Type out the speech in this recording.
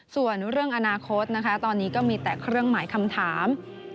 ส่วนเรื่องอนาคตนะคะตอนนี้ก็มีแต่เครื่องหมายคำถาม